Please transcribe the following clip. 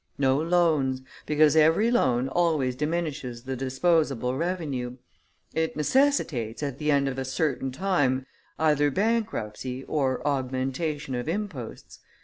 No loans; because every loan always diminishes the disposable revenue: it necessitates, at the end of a certain time, either bankruptcy or augmentation of imposts.